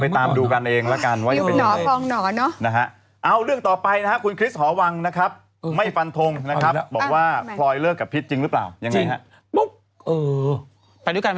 ไปด้วยกันไหมคะไหนด้วยกัน